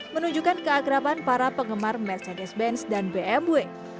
menunjukkan keagraban para penggemar mercedes benz dan bmw